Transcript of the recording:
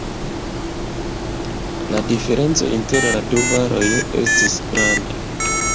La diferenco inter la du varoj estis granda.